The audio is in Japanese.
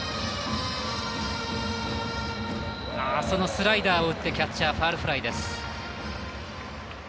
そのスライダーを打ってキャッチャーフライファウルフライです。